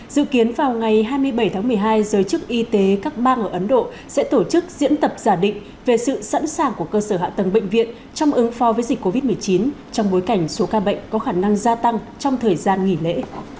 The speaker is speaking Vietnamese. dự kiến vào ngày hai mươi bảy tháng một mươi hai giới chức y tế các bang ở ấn độ sẽ tổ chức diễn tập giả định về sự sẵn sàng của cơ sở hạ tầng bệnh viện trong ứng phó với dịch covid một mươi chín trong bối cảnh số ca bệnh có khả năng gia tăng trong thời gian nghỉ lễ